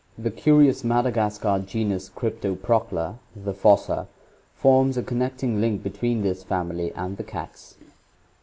The curious Madagascar genus Cryptoprocta, the fossa, forms a connecting link between this family and the cats.